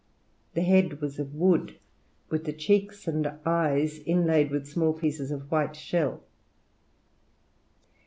The head was of wood, with the cheeks and eyes inlaid with small pieces of white shell.